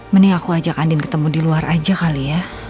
mending aku ajak andin ketemu di luar aja kali ya